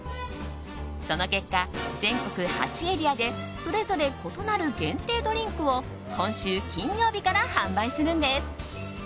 その結果、全国８エリアでそれぞれ異なる限定ドリンクを今週金曜日から販売するんです。